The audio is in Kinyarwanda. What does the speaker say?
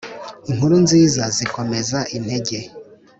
inkuru nziza zikomeza intege